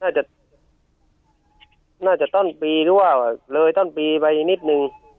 น่าจะน่าจะต้นปีหรือว่าเลยต้นปีไปนิดนึง